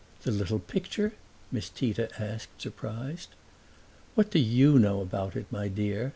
"The little picture?" Miss Tita asked, surprised. "What do YOU know about it, my dear?"